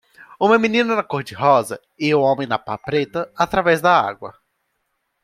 Uma menina na cor-de-rosa e homem na pá preta através da água.